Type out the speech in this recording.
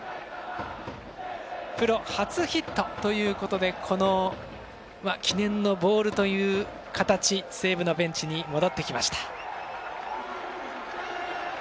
プロ初ヒットということでこの記念のボールという形西武のベンチに戻ってきました。